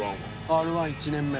Ｒ−１１年目。